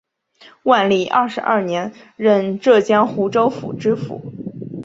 万历二十二年任浙江湖州府知府。